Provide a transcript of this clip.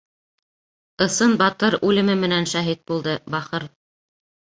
Ысын батыр үлеме менән шәһит булды, бахыр...